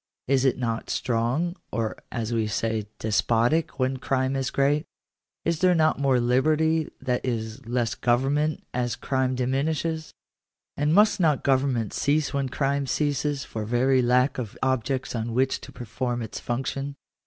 Is it not strong, or, as we say, despotic, when crime is great ? Is there not more liberty, that is, less government, as crime diminishes ? And must not government cease when crime ceases, for very lack of objects on which to perform its function